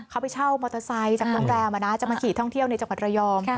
เขาไปเช่ามอเตอร์ไซค์จากโรงแรมจะมาขี่ท่องเที่ยวในจังหวัดระยอง